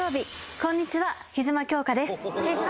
こんにちは。